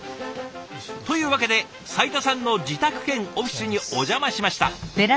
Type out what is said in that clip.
というわけで斉田さんの自宅兼オフィスにお邪魔しました。